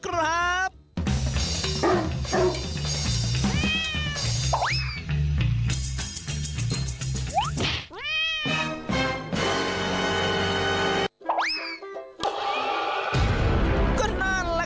วิธีแบบไหนไปดูกันเล็ก